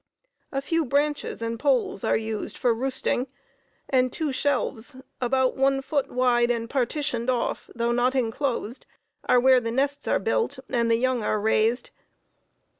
A few branches and poles are used for roosting, and two shelves, about one foot wide and partitioned off, though not inclosed, are where the nests are built and the young are raised.